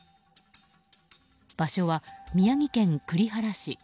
場所は宮城県栗原市。